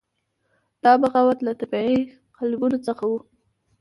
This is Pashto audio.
دا بغاوت له طبیعي قالبونو څخه وو.